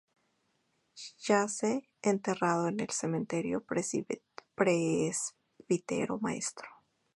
Yace enterrado en el Cementerio Presbítero Maestro.